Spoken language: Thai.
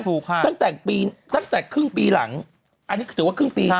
ตั้งแต่ครึ่งปีหลังอันนี้ถือว่าครึ่งปี